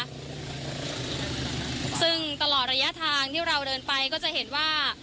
ซึ่งตลอดระยะทางที่เราเดินไปก็จะเห็นว่า